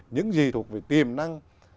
những gì thuộc về tiềm năng